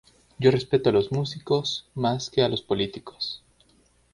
Yo respeto a los músicos más que a los políticos.